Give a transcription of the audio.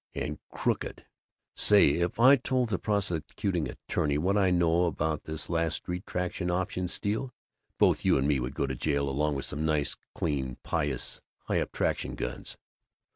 And crooked Say, if I told the prosecuting attorney what I know about this last Street Traction option steal, both you and me would go to jail, along with some nice, clean, pious, high up traction guns!"